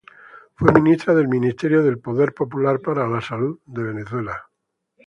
Fue ministra del Ministerio del Poder Popular para la Salud de Venezuela.